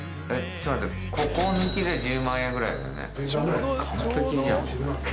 ここ抜きで１０万円ぐらいだよね？